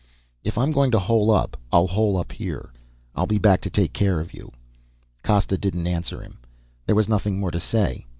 "If I'm going to hole up, I'll hole up here. I'll be back to take care of you." Costa didn't answer him. There was nothing more to say.